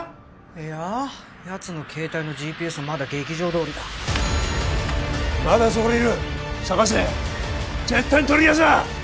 いややつの携帯のＧＰＳはまだ劇場通りだまだそこにいる捜せ絶対に取り逃がすな！